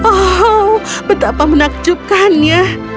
oh betapa menakjubkannya